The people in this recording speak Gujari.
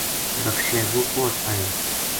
بخشے وہ پوہچ آیو